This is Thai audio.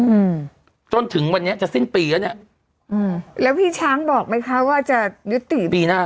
อืมจนถึงวันนี้จะสิ้นปีแล้วเนี้ยอืมแล้วพี่ช้างบอกไหมคะว่าจะยุติปีหน้า